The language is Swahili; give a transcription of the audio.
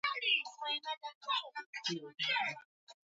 lilisema kwamba waasi wa M ishirini na tatu kwa msaada wa Rwanda